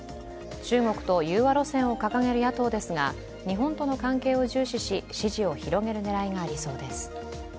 中国と融和路線を掲げる野党ですが、日本との関係を重視し、支持を広げる狙いがありそうです。